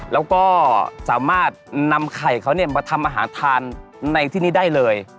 แล้วก็สามารถนำไข่เขามาทำอาหารทานในที่นี้ได้เลย